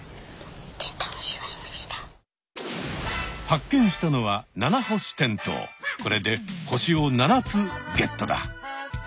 発見したのはこれで星を７つゲットだ！